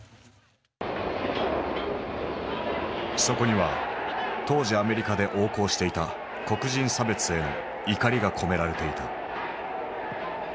そこには当時アメリカで横行していた黒人差別への怒りが込められていた。